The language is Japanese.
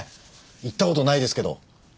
行った事ないですけど。